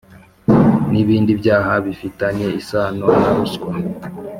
n ibindi byaha bifitanye isano na ruswa